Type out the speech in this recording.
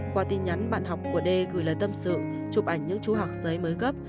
qua tin nhắn bạn học của đê gửi lời tâm sự chụp ảnh những chú hạc giấy mới gấp